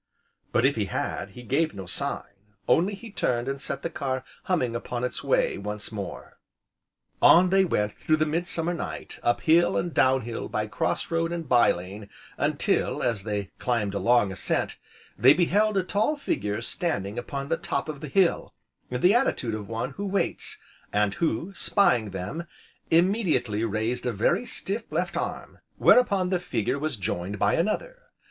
But, if he had, he gave no sign, only he turned and set the car humming upon its way, once more. On they went through the midsummer night, up hill and down hill, by cross road and bye lane, until, as they climbed a long ascent, they beheld a tall figure standing upon the top of the hill, in the attitude of one who waits; and who, spying them, immediately raised a very stiff left arm, whereupon this figure was joined by another.